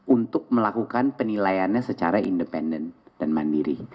untuk melakukan penilaiannya secara independen dan mandiri